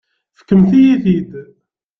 Fkemt-iyi-t-id.